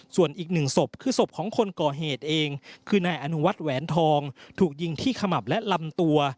ส่วนอีกหนึ่งศพคือศพของคนก่อเหตุเองคือนายอนุวัฒน์แหวนทองถูกยิงที่ขมับและลำตัว